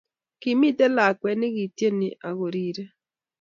Kimiten lakwet nekitieni ako rire